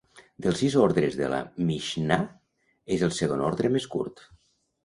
Dels sis ordres de la Mixnà, és el segon ordre més curt.